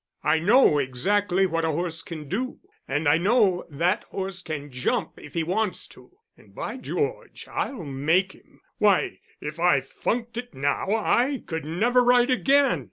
I know exactly what a horse can do. And I know that horse can jump if he wants to, and by George, I'll make him. Why, if I funked it now I could never ride again.